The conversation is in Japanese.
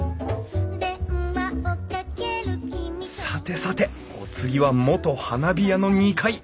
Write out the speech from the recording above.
さてさてお次は元花火屋の２階。